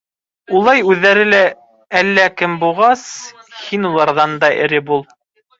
Улай үҙҙәре әллә кем булғас, һин уларҙан да эре бул.